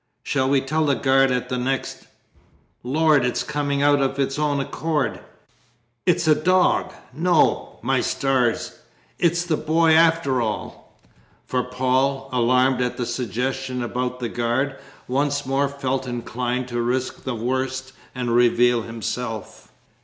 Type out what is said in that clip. Shall we tell the guard at the next ? Lord, it's coming out of its own accord. It's a dog! No, my stars it's the boy, after all!" For Paul, alarmed at the suggestion about the guard, once more felt inclined to risk the worst and reveal himself.